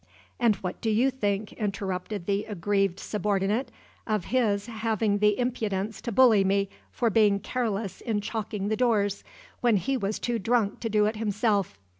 "And what do you think," interrupted the aggrieved subordinate, "of his having the impudence to bully me for being careless in chalking the doors, when he was too drunk to do it himself?